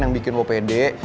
yang bikin lo pede